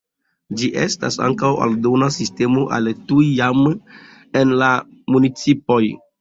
Ĝi estas ankaŭ aldona sistemo al tiuj jam uzataj en la municipoj.